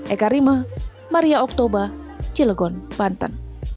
eka rima maria oktober cilegon banten